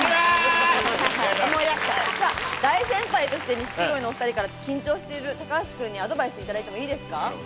錦鯉のお２人から緊張してる高橋くんにアドバイスいただいてもいいですか？